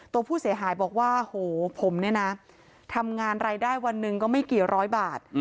ตัวผู้เสียหายบอกว่าโหผมเนี่ยนะทำงานรายได้วันหนึ่งก็ไม่กี่ร้อยบาท